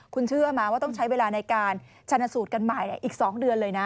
คุณเชื่อไหมว่าต้องใช้เวลาในการชนะสูตรกันใหม่อีก๒เดือนเลยนะ